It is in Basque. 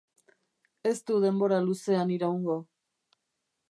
Ez du denbora luzean iraungo.